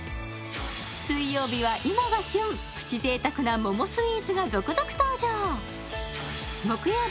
水曜日は今が旬プチ贅沢な桃スイーツが続々登場！